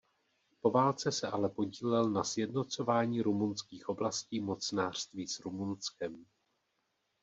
Po válce se ale podílel na sjednocování rumunských oblastí mocnářství s Rumunskem.